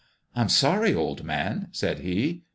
"I'm sorry, old man," said he.